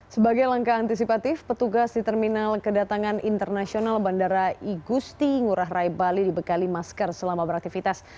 sebagai langkah antisipatif petugas di terminal kedatangan internasional bandara igusti ngurah rai bali dibekali masker selama beraktivitas